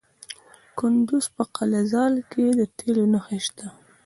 د کندز په قلعه ذال کې د تیلو نښې شته.